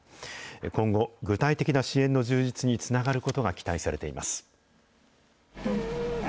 今後、具体的な支援の充実につながることが期待されています。